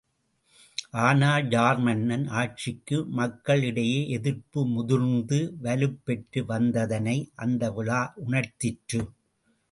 ஆனாால், tsar மன்னன் ஆட்சிக்கு மக்கள் இடையே எதிர்ப்பு முதிர்ந்து வலுப்பெற்ற வந்ததனை அந்த விழா உணர்த்திற்று.